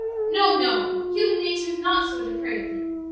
No, no; human nature is not so depraved!'"